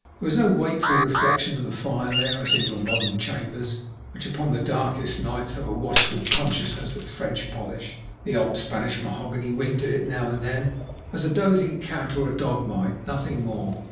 There was no wakeful reflection of the fire there, as in your modern chambers, which upon the darkest nights have a watchful consciousness of French polish; the old Spanish mahogany winked at it now and then, as a dozing cat or dog might, nothing more.